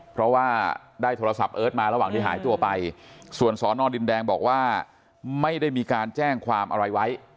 เพราะว่าได้โทรศัพท์เอิร์ทมาระหว่างที่หายตัวไปส่วนสอนอดินแดงบอกว่าไม่ได้มีการแจ้งความอะไรไว้